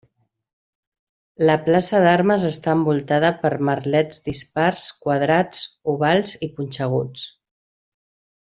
La plaça d'armes està envoltada per merlets dispars, quadrats, ovals i punxeguts.